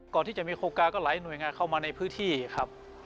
ก่อนที่จะมีโครงการก็หลายหน่วยงานเข้ามาในพื้นที่ครับ